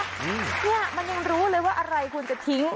เนี่ยมันยังรู้เลยว่าอะไรควรจะทิ้ง